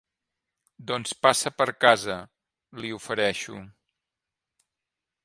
Doncs passa per casa —li ofereixo—.